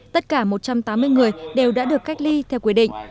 tất cả một trăm tám mươi người đều đã được cách ly theo quy định